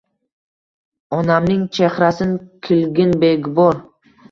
Onamning chexrasin kilgin begubor